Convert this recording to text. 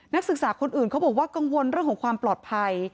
นักศึกษาคนอื่นเขาบอกว่ากังวลเรื่องของความปลอดภัย